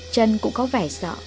trân cũng có vẻ sợ